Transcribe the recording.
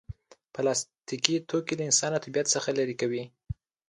پلاستيکي توکي انسان له طبیعت څخه لرې کوي.